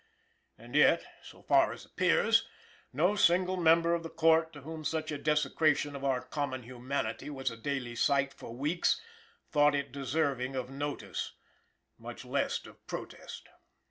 And yet, so far as appears, no single member of the Court, to whom such a desecration of our common humanity was a daily sight for weeks, thought it deserving of notice, much less of protest.